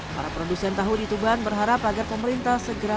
para produsen tahu di tuban berharap agar pemerintah segera